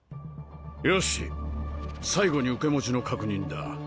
よし最後に受け持ちの確認だ。